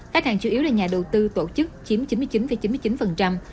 khách hàng chủ yếu là nhà đầu tư tổ chức chiếm chín mươi chín chín mươi chín